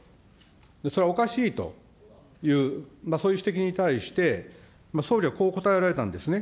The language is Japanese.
それはおかしいという、そういう指摘に対して、総理はこう答えられたんですね。